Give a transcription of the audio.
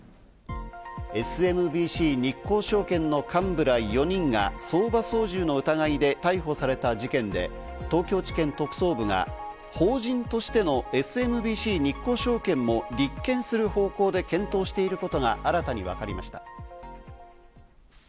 ＳＭＢＣ日興証券の幹部ら４人が相場操縦の疑いで逮捕された事件で、東京地検特捜部は法人としてのＳＭＢＣ日興証券も立件する方向で検討していることが新たに分かりました。